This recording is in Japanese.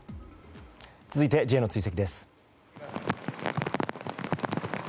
続いてＪの追跡です。